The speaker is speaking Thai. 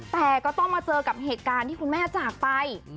แต่ก็ต้องมาเจอกับเหตุการณ์ที่คุณแม่จากไป